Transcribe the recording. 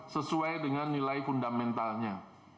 sesuai dengan nilai fundamentalnya